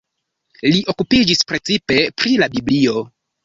Li okupiĝis precipe pri la Biblio.